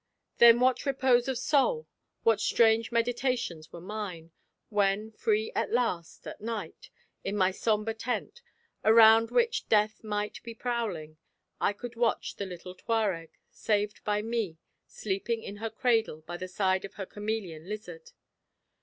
Then what repose of soul, what strange meditations were mine, when free at last, at night, in my sombre tent, around which death might be prowling, I could watch the little Touareg, saved by me, sleeping in her cradle by the side of her chameleon lizard.